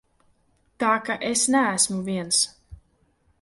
Tā ka es neesmu viens.